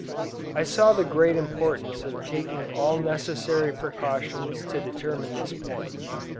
I saw the great importance of taking all necessary precautions to determine this point.